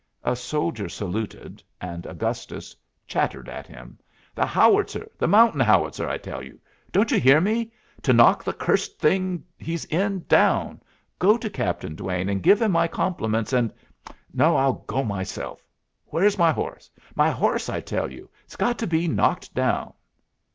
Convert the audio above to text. A soldier saluted, and Augustus chattered at him. "The howitzer, the mountain howitzer, I tell you. Don't you hear me? To knock the cursed thing he's in down. Go to Captain Duane and give him my compliments, and no, I'll go myself. Where's my horse? My horse, I tell you! It's got to be knocked down."